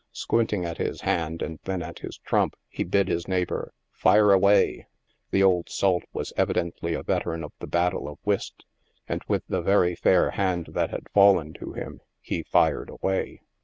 Squinting at his hand and then at his trump, he bid his neighbor " fire away." The old salt was evi dently a veteran at the battle of whist, and with the very fair hand that had fallen to him he fired away.